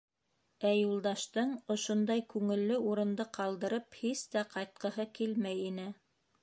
Ә Юлдаштың ошондай күңелле урынды ҡалдырып һис тә ҡайтҡыһы килмәй ине.